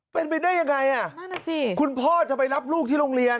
เป็นไปได้ยังไงคุณพ่อจะไปรับลูกที่โรงเรียน